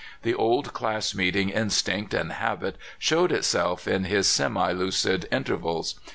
The old class meeting instinct and habit showed itself in his semilucid intervals.